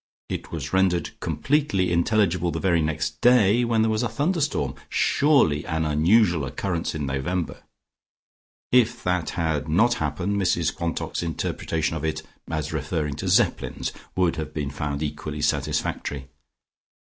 It was rendered completely intelligible the very next day when there was a thunderstorm, surely an unusual occurrence in November. If that had not happened Mrs Quantock's interpretation of it, as referring to Zeppelins, would have been found equally satisfactory.